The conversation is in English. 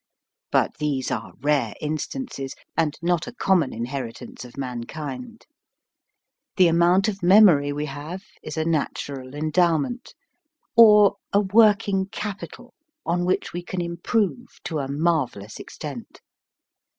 But these are rare instances, and not a common inheritance of man kind. The amount of memory we have is a natural endowment, or a working capital on which we can im prove to a marvelous extent.